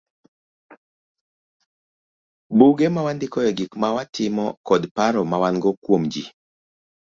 Buge ma wandikoe gik ma watimo kod paro ma wan go kuom ji.